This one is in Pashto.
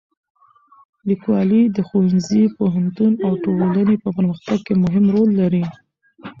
لیکوالی د ښوونځي، پوهنتون او ټولنې په پرمختګ کې مهم رول لري.